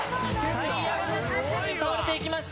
タイヤが倒れていきました」